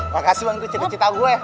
makasih bang itu cita cita gue